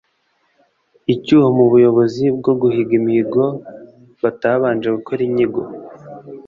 icyuho mu buyobozi no guhiga imihigo batabanje gukora inyigo